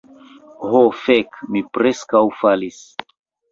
Ho fek' mi preskaŭ falis